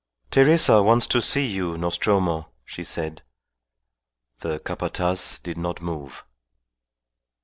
"Teresa wants to see you, Nostromo," she said. The Capataz did not move.